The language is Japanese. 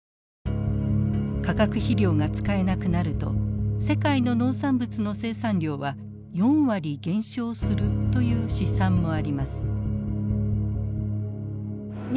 化学肥料が使えなくなると世界の農産物の生産量は４割減少するという試算もあります。